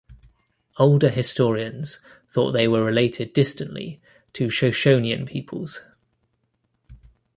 Older historians thought they were related distantly to Shoshonean peoples.